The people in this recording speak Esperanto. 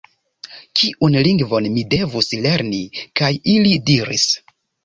Kiun lingvon mi devus lerni? kaj ili diris: